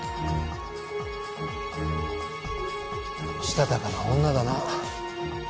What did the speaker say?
したたかな女だな。